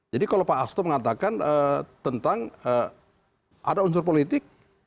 jadi kalau pak asto mengatakan tentang ada unsur politik